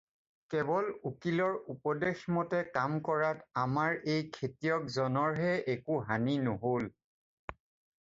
Cable উকিলৰ উপদেশ মতে কাম কৰাত আমাৰ এই খেতিয়ক জনৰহে একো হানি নহ'ল।